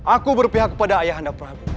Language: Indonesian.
aku berpihak kepada ayah anda prabu